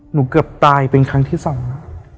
หนูเกือบตายเป็นครั้งที่สองแล้ว